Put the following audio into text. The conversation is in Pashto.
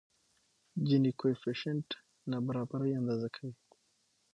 جیني کویفشینټ نابرابري اندازه کوي.